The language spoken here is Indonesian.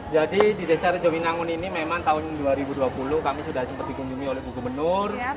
jadi di desa rejowinangun ini memang tahun dua ribu dua puluh kami sudah seperti dikunjungi oleh gubernur